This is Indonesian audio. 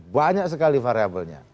banyak sekali variabelnya